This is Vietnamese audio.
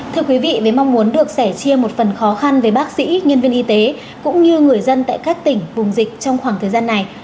thưa quý vị với mong muốn được sẻ chia một phần khó khăn với bác sĩ nhân viên y tế cũng như người dân tại các tỉnh vùng dịch trong khoảng thời gian này